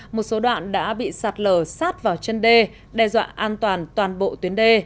một số đoạn đã bị sạt lở sát vào chân đê đe dọa an toàn toàn bộ tuyến đê